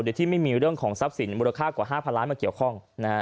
โดยที่ไม่มีเรื่องของทรัพย์สินมูลค่ากว่า๕๐๐ล้านมาเกี่ยวข้อง